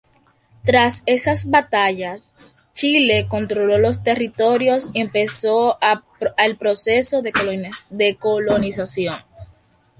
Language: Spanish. Tras esas batallas, Chile controló los territorios y empezó el proceso de colonización.